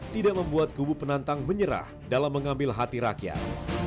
tidak membuat kubu penantang menyerah dalam mengambil hati rakyat